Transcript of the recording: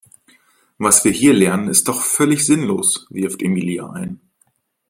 Was wir hier lernen ist doch völlig sinnlos, wirft Emilia ein.